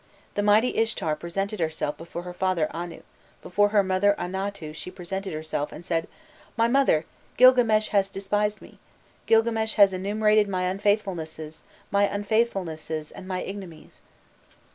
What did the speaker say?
The mighty Ishtar presented herself before her father Anu, before her mother Anatu she presented herself, and said: 'My father, Grilgames has despised me. Grilgames has enumerated my unfaithfulnesses, my unfaithfulnesses and my ignominies.